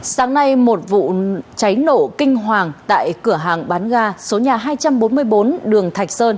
sáng nay một vụ cháy nổ kinh hoàng tại cửa hàng bán ga số nhà hai trăm bốn mươi bốn đường thạch sơn